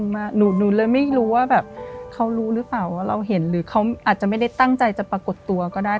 หนูเลยไม่รู้ว่าแบบเขารู้หรือเปล่าว่าเราเห็นหรือเขาอาจจะไม่ได้ตั้งใจจะปรากฏตัวก็ได้